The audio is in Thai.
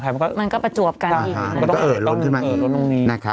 มันก็ประจวบกันอีกมันก็เอ๋อล้นขึ้นมาเอ๋อล้นตรงนี้